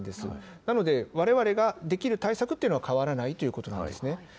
なので、われわれができる対策というのは変わらないということなんですね。